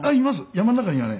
山の中にはね。